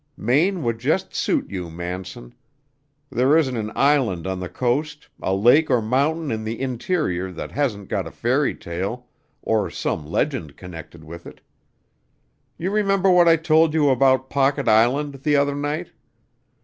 Maine would just suit you, Manson! There isn't an island on the coast, a lake or mountain in the interior that hasn't got a fairy tale, or some legend connected with it. You remember what I told you about Pocket Island the other night?